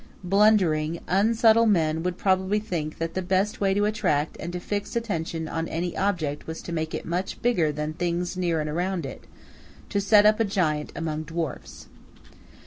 Blundering, unsubtle man would probably think that the best way to attract and to fix attention on any object was to make it much bigger than things near and around it, to set up a giant among dwarfs.